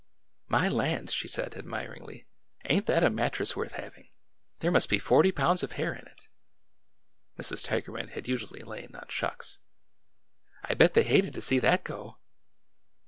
'' My land !" she said admiringly. Ain't that a mat tress worth having ! There must be forty pounds of hair in it." Mrs. Tigerman had usually lain on shucks. " I bet they hated to see that go